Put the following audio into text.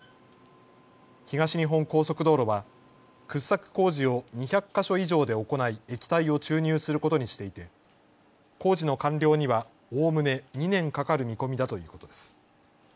東日本高速道路は掘削工事を２００か所以上で行い液体を注入することにしていて工事の完了にはおおむね２年かかる見込みだということです。